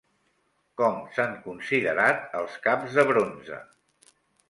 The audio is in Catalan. Com s'han considerat els caps de bronze?